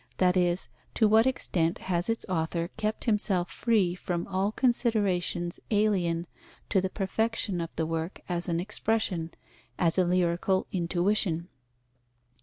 That is, to what extent has its author kept himself free from all considerations alien to the perfection of the work as an expression, as a lyrical intuition?